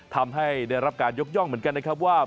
ทำให้ได้รับการยกย่องเหมือนกันนะครับว่า